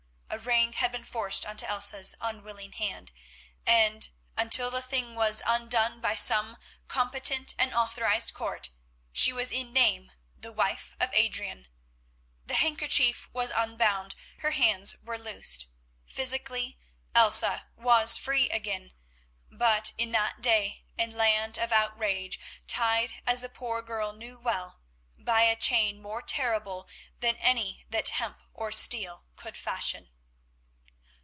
A ring had been forced on to Elsa's unwilling hand, and, until the thing was undone by some competent and authorised Court, she was in name the wife of Adrian. The handkerchief was unbound, her hands were loosed, physically, Elsa was free again, but, in that day and land of outrage, tied, as the poor girl knew well, by a chain more terrible than any that hemp or steel could fashion.